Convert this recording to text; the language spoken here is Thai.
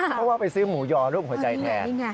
เพราะว่าไปซื้อหมูยอรูปหัวใจแทน